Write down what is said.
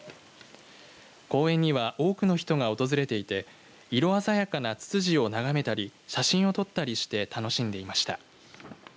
公園には多くの人が訪れていて色鮮やかなツツジを眺めたり写真を撮ったりして楽しんでいました。